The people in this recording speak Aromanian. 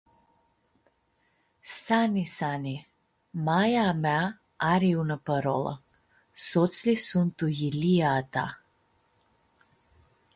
Sani Sani, Maia a mea ari unã parolã: Sotslji suntu yilia a ta.